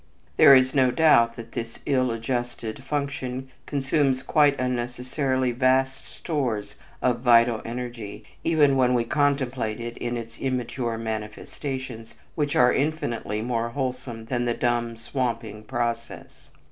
There is no doubt that this ill adjusted function consumes quite unnecessarily vast stores of vital energy, even when we contemplate it in its immature manifestations which are infinitely more wholesome than the dumb swamping process.